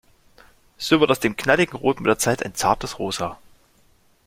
So wird aus dem knalligen Rot mit der Zeit ein zartes Rosa.